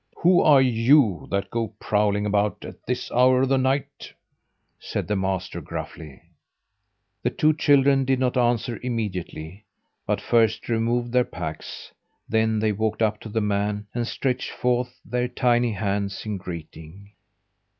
"Who are you that go prowling about at this hour of the night?" said the master gruffly. The two children did not answer immediately, but first removed their packs. Then they walked up to the man and stretched forth their tiny hands in greeting.